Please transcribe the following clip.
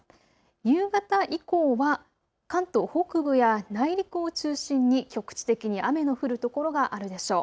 夕方以降は関東北部や内陸を中心に局地的に雨の降る所があるでしょう。